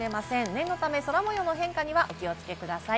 念のため、空模様の変化にお気をつけください。